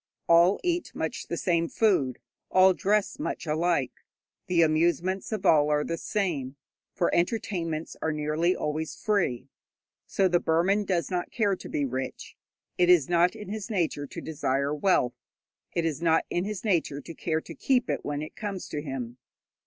All eat much the same food, all dress much alike. The amusements of all are the same, for entertainments are nearly always free. So the Burman does not care to be rich. It is not in his nature to desire wealth, it is not in his nature to care to keep it when it comes to him.